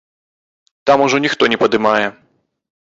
Там ужо ніхто не падымае.